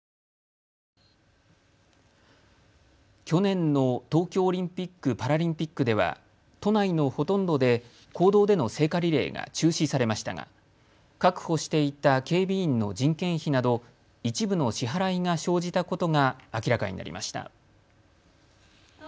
去年の東京オリンピック・パラリンピックでは都内のほとんどで公道での聖火リレーが中止されましたが確保していた警備員の人件費など一部の支払いが生じたことが明らかになりました。